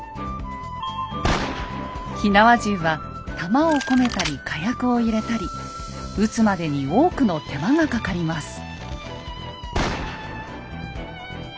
火縄銃は弾を込めたり火薬を入れたり撃つまでに多くの手間がかかります。